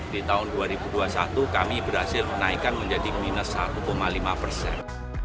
di tahun dua ribu dua puluh satu kami berhasil menaikkan menjadi minus satu lima persen